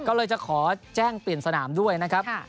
ก็เลยจะขอแจ้งเปลี่ยนสนามด้วยนะครับ